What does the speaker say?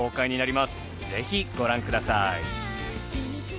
ぜひご覧ください。